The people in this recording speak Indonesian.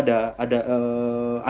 ada narasi penyeimbang di dalamnya